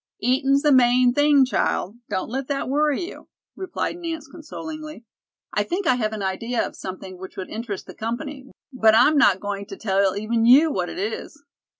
"Eatin's the main thing, child. Don't let that worry you," replied Nance consolingly. "I think I have an idea of something which would interest the company, but I'm not going to tell even you what it is."